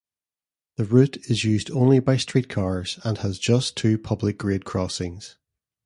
The route is used only by streetcars and has just two public grade crossings.